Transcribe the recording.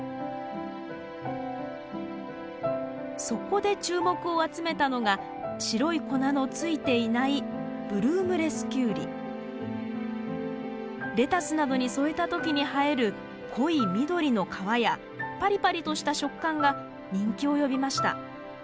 そこで注目を集めたのが白い粉の付いていないレタスなどに添えた時に映える濃い緑の皮やパリパリとした食感が人気を呼びました。